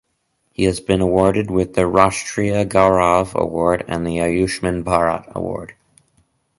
He has been awarded with the Rashtriya Gaurav Award and Ayushman Bharat Award.